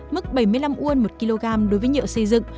mức bảy mươi năm won một kg đối với nhựa xây dựng